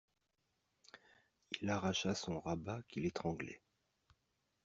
Il arracha son rabat qui l'étranglait.